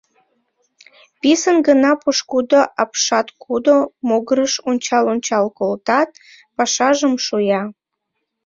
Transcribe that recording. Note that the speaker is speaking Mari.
Писын гына пошкудо апшаткудо могырыш ончал-ончал колтат, пашажым шуя.